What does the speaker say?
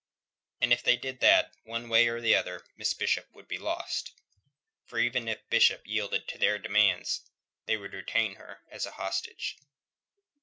And if they did that, one way or the other, Miss Bishop would be lost. For even if Bishop yielded to their demand, they would retain her as a hostage.